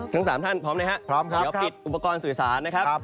ทั้ง๓ท่านพร้อมไหมครับ